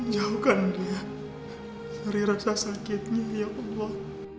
jauhkan dia hari rasa sakitnya ya allah